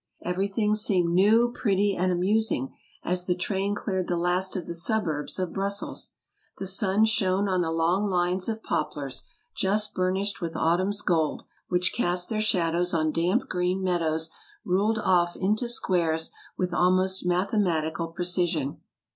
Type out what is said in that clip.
Everything seemed new, pretty, and amusing, as the train cleared the last of the suburbs of Brussels. The sun shone on the long lines of poplars, just burnished with autumn's gold, which cast their shadows on damp green meadows ruled ofif into squares with almost mathematical precision.